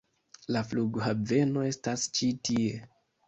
La flughaveno estas ĉi tie.